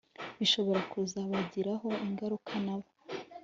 bishobora kuzabagiraho ingaruka na bo